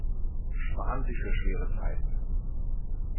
Sparen Sie für schwere Zeiten!